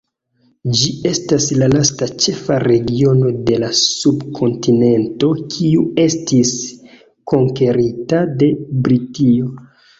Ĝi estis la lasta ĉefa regiono de la subkontinento kiu estis konkerita de Britio.